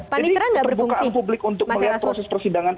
jadi terbukaan publik untuk melihat proses persidangan